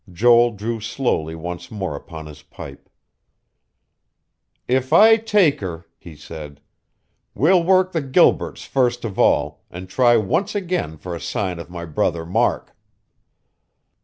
Joel drew slowly once more upon his pipe. "If I take her," he said, "we'll work the Gilberts first of all, and try once again for a sign of my brother Mark."